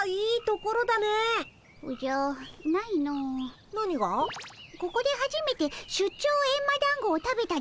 ここではじめて出張エンマだんごを食べたでおじゃる。